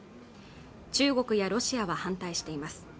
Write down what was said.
中国やロシアは反対しています